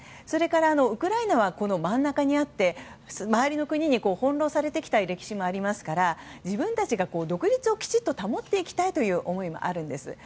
それからウクライナは真ん中にあって周りの国に翻弄されてきた歴史もありますから自分たちが独立をきちんと保っていきたいという思いもあるんです。